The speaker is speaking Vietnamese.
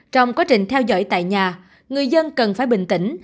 trong quá trình theo dõi tại nhà người dân cần phải bình tĩnh